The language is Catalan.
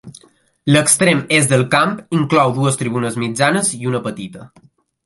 L'extrem est del camp inclou dues tribunes mitjanes i una petita.